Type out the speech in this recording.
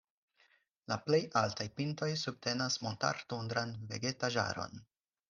La plej altaj pintoj subtenas montar-tundran vegetaĵaron.